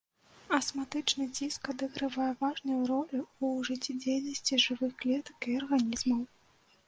Асматычны ціск адыгрывае важную ролю ў жыццядзейнасці жывых клетак і арганізмаў.